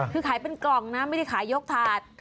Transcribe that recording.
คือขายเป็นกล่องนะไม่ได้ขายยกถาด